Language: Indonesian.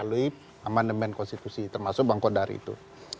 melalui amandemen konstitusi termasuk bang kodari itu